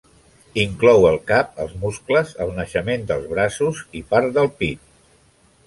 Inclou el cap, els muscles, el naixement dels braços i part del pit.